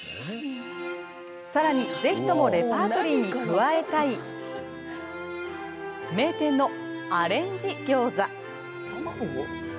さらに、ぜひともレパートリーに加えたい名店のアレンジギョーザ。